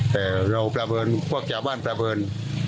แต่เราประเมินพวกชาวบ้านประเมิน